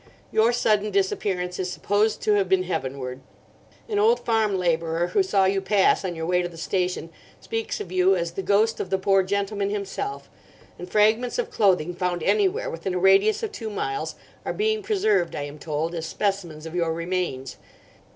Your sudden disappearance is supposed to have been heavenward. An old farm labourer who saw you pass on your way to the station speaks of you as 'the ghost of the poor gentleman himself;' and fragments of clothing found anywhere within a radius of two miles are being preserved, I am told, as specimens of your remains.